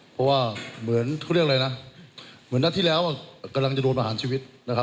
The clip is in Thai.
โปรดตามตอนต่อไป